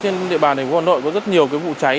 trên địa bàn quân đội có rất nhiều vụ cháy